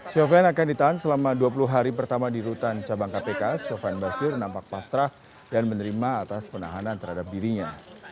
sofian akan ditahan selama dua puluh hari pertama di rutan cabang kpk sofian basir nampak pasrah dan menerima atas penahanan terhadap dirinya